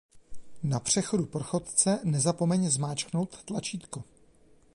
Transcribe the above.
Na přechodu pro chodce nezapomeň zmáčknout tlačítko.